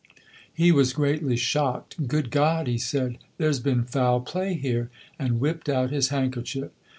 He was greatly shocked. "Good God," he said, "there's been foul play here," and whipped out his handkerchief.